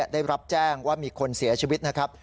ได้รับแจ้งว่ามีคนเสียชีวิตนะครับ